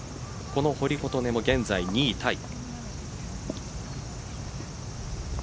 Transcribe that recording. この堀琴音も現在２位タイ。